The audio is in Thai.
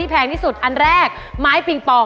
เพลงติดฟันปลอม